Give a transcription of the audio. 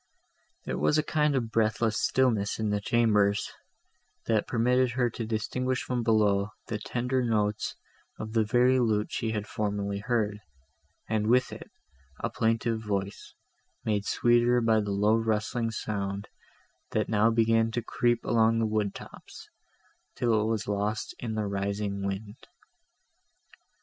There was a kind of breathless stillness in the chambers, that permitted her to distinguish from below the tender notes of the very lute she had formerly heard, and with it, a plaintive voice, made sweeter by the low rustling sound, that now began to creep along the wood tops, till it was lost in the rising wind.